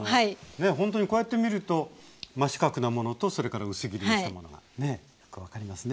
ねえほんとにこうやって見ると真四角なものとそれから薄切りにしたものがよく分かりますね。